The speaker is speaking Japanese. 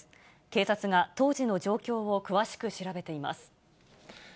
警察が当時の状況を詳しく調べています。